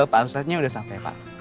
pak ustadznya udah sampai pak